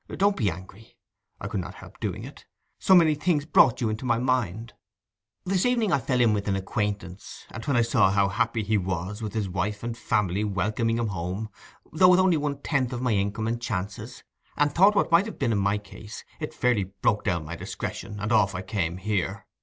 Don't be angry! I could not help doing it, so many things brought you into my mind ... This evening I fell in with an acquaintance, and when I saw how happy he was with his wife and family welcoming him home, though with only one tenth of my income and chances, and thought what might have been in my case, it fairly broke down my discretion, and off I came here.